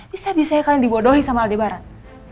bisa bisanya kalian dibodohin sama aldebaran